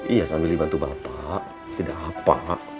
iya sambil dibantu bapak tidak apa